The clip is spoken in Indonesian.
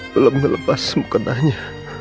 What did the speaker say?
belum melepas semukanahnya